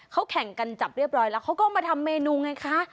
เขาแข่งกันจับเรียบร้อยแล้วเขาก็มาทำเมนูไงคะ